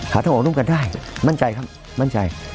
หาทางออกร่วมกันได้มั่นใจครับ